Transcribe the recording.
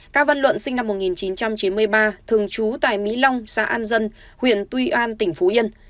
cao văn luận sinh năm một nghìn chín trăm chín mươi ba thường trú tại mỹ long xã an dân huyện tuy an tỉnh phú yên